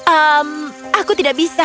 ehm aku tidak bisa